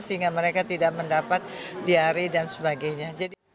sehingga mereka tidak mendapat diari dan sebagainya